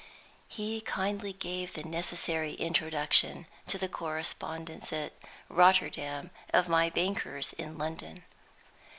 He kindly gave me the necessary introduction to the correspondents at Rotterdam of my bankers in London.